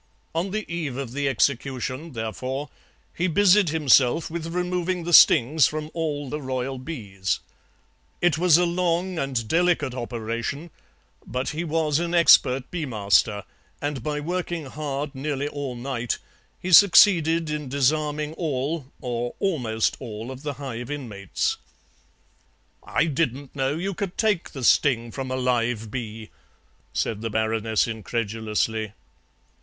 On the eve of the execution, therefore, he busied himself with removing the stings from all the royal bees; it was a long and delicate operation, but he was an expert bee master, and by working hard nearly all night he succeeded in disarming all, or almost all, of the hive inmates." "I didn't know you could take the sting from a live bee," said the Baroness incredulously.